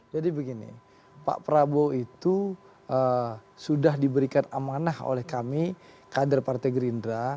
jadi begini pak prabowo itu sudah diberikan amanah oleh kami kader partai gerindra